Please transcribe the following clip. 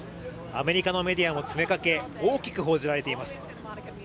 アメリカのメディアが詰めかけ大きく報じられています